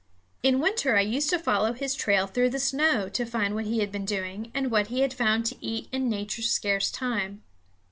In winter I used to follow his trail through the snow to find what he had been doing, and what he had found to eat in nature's scarce time.